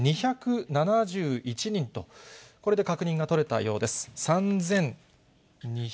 ３２７１人と、これで確認が取れたようです。